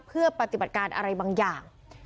เพื่อปฏิบัติการอะไรบางอย่าง